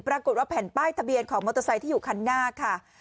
ปรากฏว่าแผ่นป้ายทะเบียนของมอเตอร์ไซค์ที่อยู่คันหน้าค่ะ